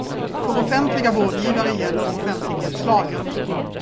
För offentliga vårdgivare gäller offentlighetslagen.